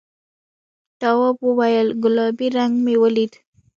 تواب وویل گلابي رنګ مې ولید.